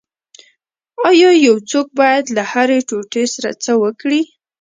ایا یو څوک باید له هرې ټوټې سره څه وکړي